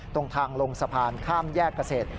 ตรงทางลงสะพานข้ามแยกเกษตร